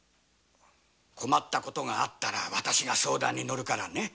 困った事があったら私が相談に乗るからね。